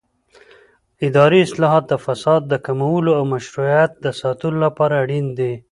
اداري اصلاحات د فساد د کمولو او مشروعیت د ساتلو لپاره اړین دي